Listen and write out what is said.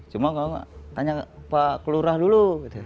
cuma kalau nggak tanya pak kelurah dulu